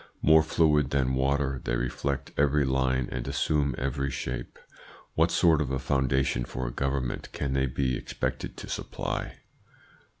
More fluid than water they reflect every line and assume every shape. What sort of a foundation for a government can they be expected to supply?"